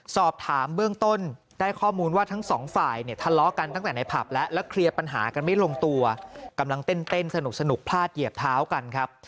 สอบถามเบื้องต้นได้ข้อมูลว่าทั้งสองฝ่ายเนี่ยทะเลาะกันตั้งแต่ในผับแล้วแล้วเคลียร์ปัญหากันไม่ลงตัวกำลังเต้นสนุกพลาดเหยียบเท้ากันครับ